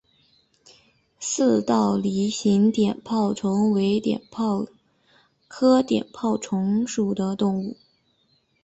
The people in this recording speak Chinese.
似倒梨形碘泡虫为碘泡科碘泡虫属的动物。